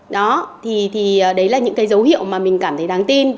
đó thì đấy là những cái dấu hiệu mà mình cảm thấy đáng tin